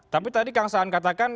tapi tadi kang saan katakan